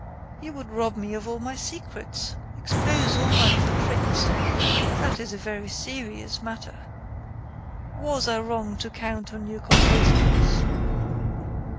You would rob me of all my secrets; expose all my little tricks. That is a very serious matter." "Was I wrong to count on your complaisance?"